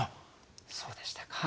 そうでしたか。